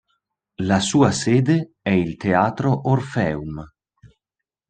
La sua sede è il Teatro Orpheum.